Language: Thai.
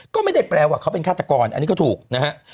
ก็ไม่ได้แปลว่าเขาเป็นฆาตกรอันนี้ก็ถูกนะฮะ